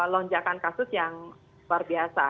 lonjakan kasus yang luar biasa